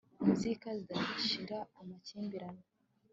inzika zidashira, amakimbirane